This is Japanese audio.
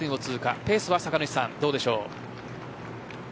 ペースはどうでしょう。